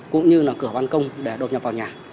cũng như là cửa ban công để đột nhập vào nhà